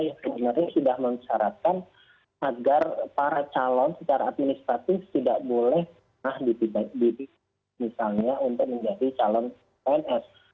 yang sebenarnya sudah mensyaratkan agar para calon secara administratif tidak boleh misalnya untuk menjadi calon pns